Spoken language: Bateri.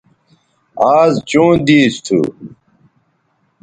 آز چوں دیس تھو